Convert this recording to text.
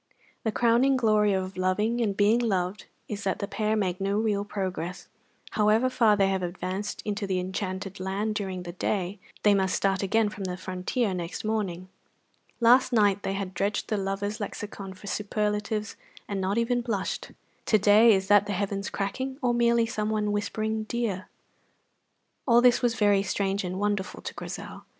The crowning glory of loving and being loved is that the pair make no real progress; however far they have advanced into the enchanted land during the day, they must start again from the frontier next morning. Last night they had dredged the lovers' lexicon for superlatives and not even blushed; to day is that the heavens cracking or merely someone whispering "dear"? All this was very strange and wonderful to Grizel.